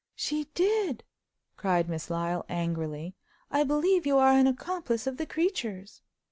"She did!" cried Miss Lyle angrily. "I believe you are an accomplice of the creature's!"